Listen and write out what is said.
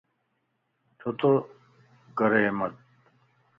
ڇو تو ڪري احمد؟